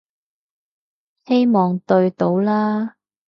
希望對到啦